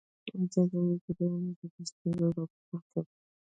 ازادي راډیو د د بیان آزادي ستونزې راپور کړي.